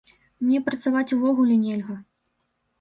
Мне працаваць увогуле нельга.